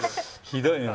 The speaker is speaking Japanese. ひどいね。